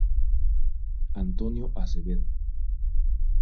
Antonio Acevedo.